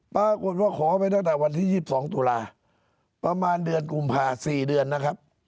ปรากฏว่าขอไปตั้งแต่วันที่๒๒ตุลาประมาณเดือนกุมภา๔เดือนนะครับ